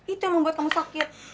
itu yang membuat kamu sakit